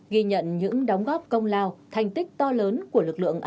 ghi nhận những đóng góp công lao thành tích to lớn của lực lượng